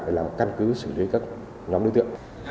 để làm căn cứ xử lý các nhóm đối tượng